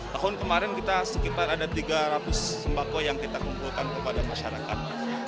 tahun kemarin kita sekitar ada tiga ratus sembako yang kita kumpulkan kepada masyarakat